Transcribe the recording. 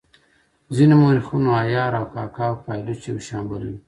ځینو مورخینو عیار او کاکه او پایلوچ یو شان بللي.